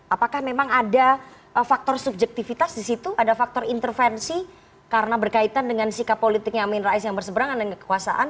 apakah memang ada faktor subjektivitas di situ ada faktor intervensi karena berkaitan dengan sikap politiknya amin rais yang berseberangan dengan kekuasaan